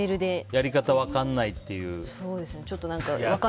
やり方、分かんないっていうね。